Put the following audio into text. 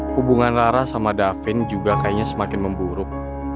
hubungan rara sama davin juga kayaknya semakin memburuk